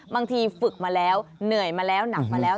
ฝึกมาแล้วเหนื่อยมาแล้วหนักมาแล้ว